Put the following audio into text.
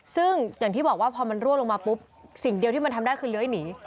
ซึ่งอย่างที่บอกว่าพอลงมาสิ่งเดียวที่กู้ธุมันทำได้คือเล้อยหนี